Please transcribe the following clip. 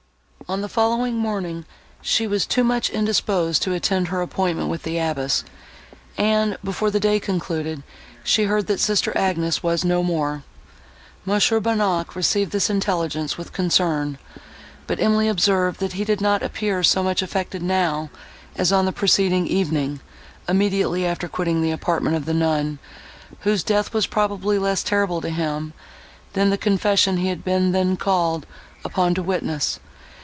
On the following morning, she was too much indisposed to attend her appointment with the abbess, and, before the day concluded, she heard, that sister Agnes was no more. Mons. Bonnac received this intelligence, with concern; but Emily observed, that he did not appear so much affected now, as on the preceding evening, immediately after quitting the apartment of the nun, whose death was probably less terrible to him, than the confession he had been then called upon to witness.